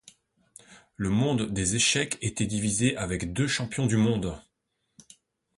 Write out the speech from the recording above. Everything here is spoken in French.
Le monde des échecs était divisé avec deux champions du monde.